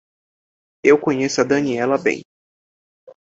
Eu conheço a Daniela bem.